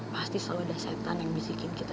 pasti selalu ada setan yang bisikin kita